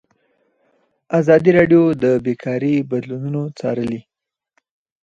ازادي راډیو د بیکاري بدلونونه څارلي.